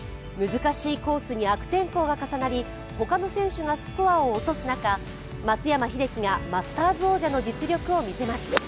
難しいコースに悪天候が重なり他の選手がスコアを落とす中松山英樹がマスターズ王者の実力を見せます。